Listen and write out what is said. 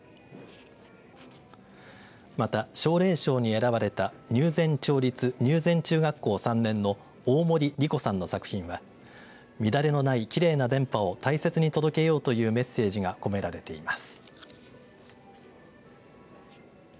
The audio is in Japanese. また奨励賞に選ばれた入善町立入善中学校３年の大森理子さんの作品は乱れのないきれいな電波を大切に届けようというメッセージが込められています。